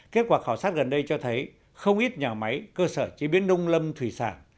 kết quả khảo sát gần đây cho thấy không ít nhà máy cơ sở chế biến nông lâm thủy sản